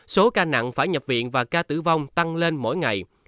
số ca nặng phải nhập viện và ca tử vong tăng lên mỗi ngày